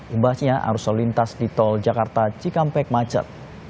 imbasnya arus lalu lintas di tol jakarta cikampek macet